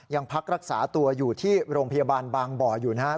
ยังพักรักษาตัวอยู่ที่โรงพยาบาลบางบ่ออยู่นะครับ